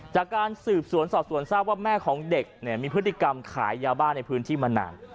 จากการสืบสวนสอบสวนทราบว่าแม่ของเด็กเนี่ยมีพฤติกรรมขายยาบ้าในพื้นที่มานาน